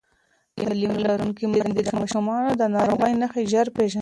تعلیم لرونکې میندې د ماشومانو د ناروغۍ نښې ژر پېژني